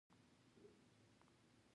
دوی د روغتیا په برخه کې مرستې کوي.